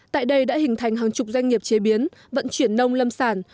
tại đây đã hình thành hàng chục doanh nghiệp chế biến vận chuyển nông lâm sản